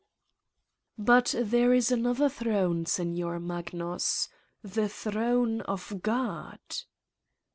"But there is another throne, Signer Magnus: the throne of God.'